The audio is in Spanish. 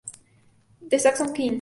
The Saxon Kings.